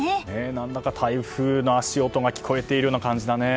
何だか、台風の足音が聞こえている感じだね。